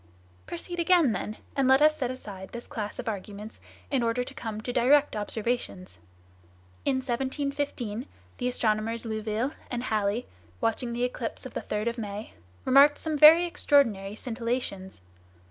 "Proceed again, then; and let us set aside this class of arguments in order to come to direct observations. In 1715 the astronomers Louville and Halley, watching the eclipse of the 3rd of May, remarked some very extraordinary scintillations.